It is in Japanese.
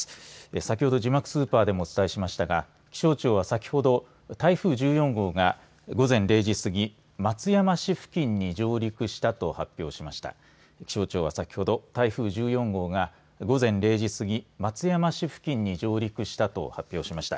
先ほど字幕スーパーでもお伝えしましたが気象庁は先ほど台風１４号が午前０時すぎ松山市付近に上陸したと発表しました。